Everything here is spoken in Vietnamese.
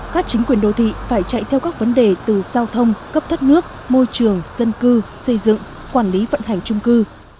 các chính quyền đô thị phải chạy theo các vấn đề từ giao thông cấp thất nước môi trường dân cư xây dựng quản lý vận hành trung cư